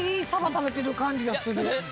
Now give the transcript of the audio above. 食べてる感じがする。